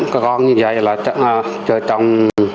con như vậy là trời trồng